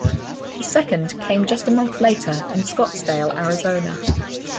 His second came just a month later in Scottsdale, Arizona.